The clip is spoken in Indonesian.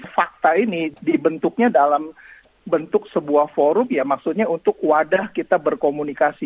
justru fakta ini dibentuknya dalam bentuk sebuah forum untuk wadah kita berkomunikasi